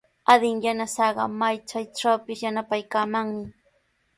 Adin yanasaaqa may chaytrawpis yanapaykamanmi.